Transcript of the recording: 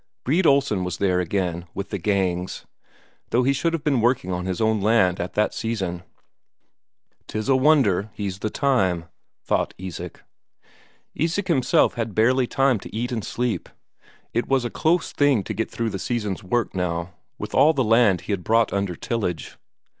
Brede Olsen was there again, with the gangs, though he should have been working on his own land at that season. "'Tis a wonder he's the time," thought Isak. Isak himself had barely time to eat and sleep; it was a close thing to get through the season's work now, with all the land he had brought under tillage.